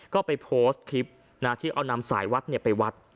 ก็ไปโพสต์คลิปที่เอานำสายวัดไปวัด